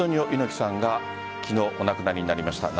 猪木さんが昨日お亡くなりになりました。